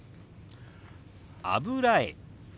「油絵」。